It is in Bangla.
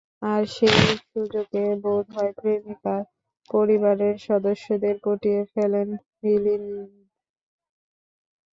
আর সেই সুযোগে বোধ হয় প্রেমিকার পরিবারের সদস্যদের পটিয়ে ফেলেন মিলিন্দ।